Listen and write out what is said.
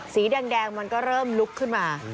สีแดงมันก็เริ่มลุกขึ้นมา